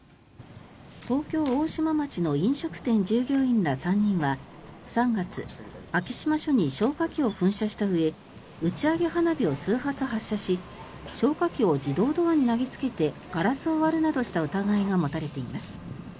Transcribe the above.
東京・大島町の飲食店従業員ら３人は３月昭島署に消火器を噴射したうえ打ち上げ花火を数発発射し消火器を自動ドアに投げつけてガラスを割るなどした疑いが持たれています。